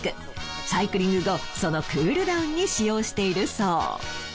サイクリング後そのクールダウンに使用しているそう。